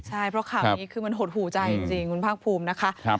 ใช่เพราะข่าวนี้คือมันหดหูใจจริงคุณภาคภูมินะคะ